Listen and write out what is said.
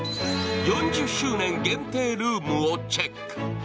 ４０周年限定ルームをチェック。